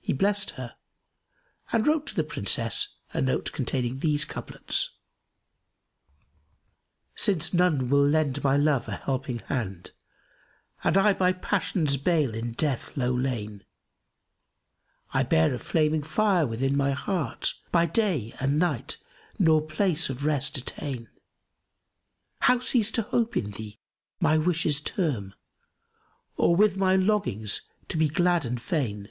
He blessed her and wrote to the Princess a note containing these couplets, "Since none will lend my love a helping hand, * And I by passion's bale in death low lain, I bear a flaming fire within my heart * By day and night nor place of rest attain, How cease to hope in thee, my wishes' term? * Or with my longings to be glad and fain?